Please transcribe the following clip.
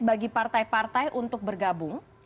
bagi partai partai untuk bergabung